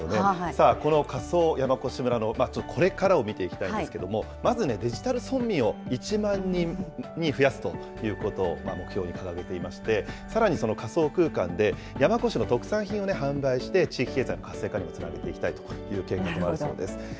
さあ、この仮想山古志村のこれからを見ていきたいんですけれども、まずデジタル村民を１万人に増やすということを目標に掲げていまして、さらに、その仮想空間で山古志の特産品を販売して、地域経済の活性化にもつなげていきたいという計画もあるそうなんです。